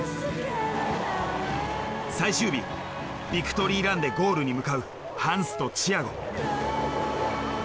最終日ビクトリーランでゴールに向かうハンスとチアゴ。